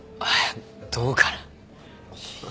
どうかな。